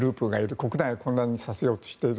国内を混乱させようとしている。